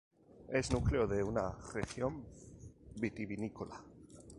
Es núcleo de una región vitivinícola.